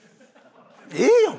ええやん